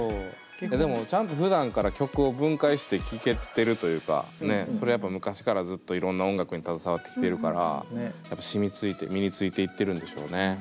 でもちゃんとふだんから曲を分解して聴けてるというかそれはやっぱ昔からずっといろんな音楽に携わってきてるから染みついて身についていってるんでしょうね。